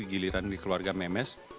giliran di keluarga memes